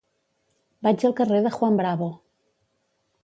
Vaig al carrer de Juan Bravo.